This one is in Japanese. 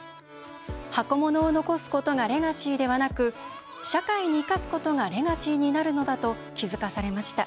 箱物を残すことがレガシーではなく社会に生かすことがレガシーになるのだと気付かされました。